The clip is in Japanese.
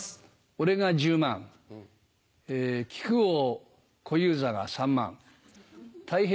俺が１０万え木久扇小遊三が３万たい平